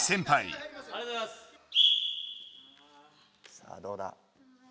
さあどうだ。